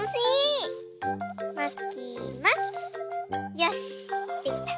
よしできた！